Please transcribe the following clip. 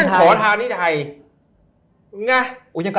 นั่งขอทานที่ไทย